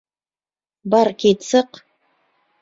Бар кит, сыҡ!